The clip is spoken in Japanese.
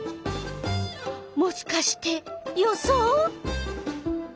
もしかして予想？